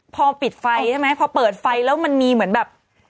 พอปิดไฟใช่ไหมพอเปิดไฟแล้วมันมีเหมือนแบบ